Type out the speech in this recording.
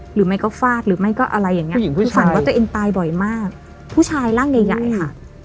หรือไม่ก็ฟาดหรือไม่ก็อะไรอย่างเงี้ยฝันว่าตัวเองตายบ่อยมากผู้ชายร่างใหญ่ใหญ่ค่ะ